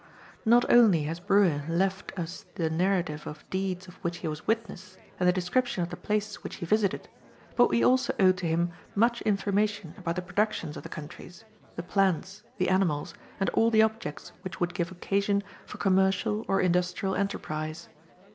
Not only has Brue left us the narrative of deeds of which he was witness and the description of the places which he visited, but we also owe to him much information about the productions of the countries, the plants, the animals, and all the objects which would give occasion for commercial or industrial enterprise.